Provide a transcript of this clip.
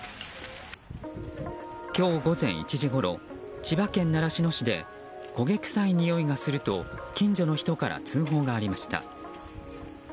今日午前１時ごろ千葉県習志野市で焦げ臭いにおいがすると近所の人から通報がありました。